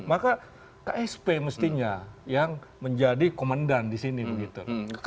maka ksp mestinya yang menjadi komandan di sini begitu